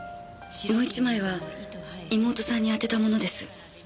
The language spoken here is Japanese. もう一枚は妹さんにあてたものです。